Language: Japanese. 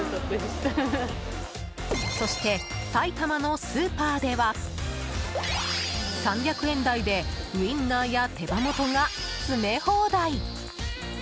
そして、埼玉のスーパーでは３００円台でウインナーや手羽元が詰め放題。